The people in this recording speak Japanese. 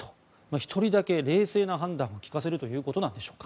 １人だけ冷静な判断を利かせるということなんでしょうか。